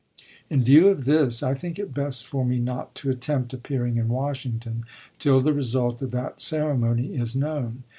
In view of this, I think it best for me not to attempt appearing in Washington till the result of that ceremony is known.